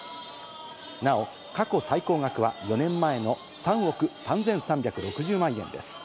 なお過去最高額は４年前の３億３３６０万円です。